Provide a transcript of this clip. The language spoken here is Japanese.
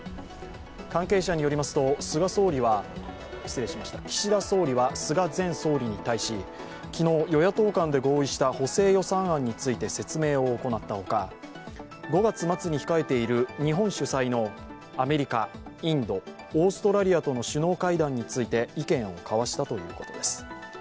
関係者によりますと、岸田総理は菅前総理に対し、昨日、与野党間で合意した補正予算案について説明を行ったほか５月末に控えている日本主催のアメリカ、インド、オーストラリアとの首脳会談について意見を交わしたということです。